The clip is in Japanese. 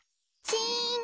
チン。